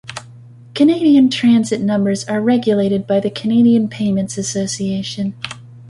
Canadian transit numbers are regulated by the Canadian Payments Association.